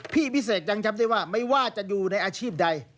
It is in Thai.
พี่พิเศษยังจำได้ว่าไม่ว่าจะอยู่ในอาชีพใด